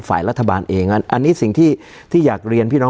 การแสดงความคิดเห็น